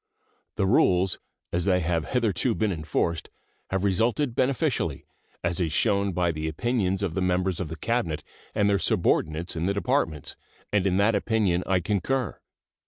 The rules, as they have hitherto been enforced, have resulted beneficially, as is shown by the opinions of the members of the Cabinet and their subordinates in the Departments, and in that opinion I concur.